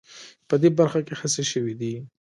په دې برخه کې هڅې شوې دي